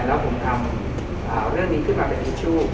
แล้วผมทำเรื่องนี้ขึ้นมาเป็นทิชชู่